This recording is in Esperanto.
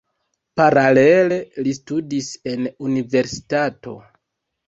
Paralele li studis en universitato.